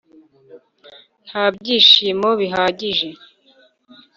nta byishimo bihagije.